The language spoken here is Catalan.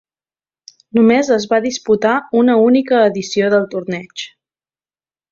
Només es va disputar una única edició del torneig.